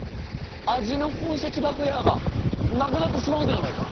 「味の宝石箱や！」がなくなってしまうではないか！